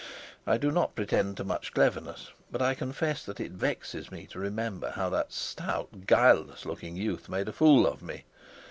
I do not pretend to much cleverness, but I confess that it vexes me to remember how that stout, guileless looking youth made a fool of me.